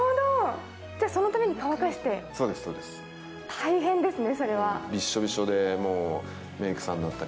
大変ですね、それは。